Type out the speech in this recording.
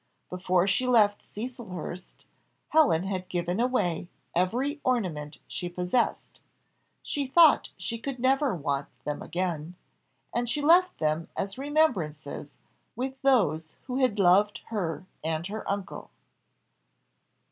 Before she left Cecilhurst, Helen had given away every ornament she possessed; she thought she could never want them again, and she left them as remembrances with those who had loved her and her uncle.